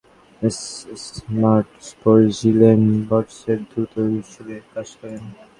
অস্ট্রেলীয় অধিনায়ক Michael Clarke Spartan sports, Gillette, বন্ডসের দূত হিসেবে কাজ করেন।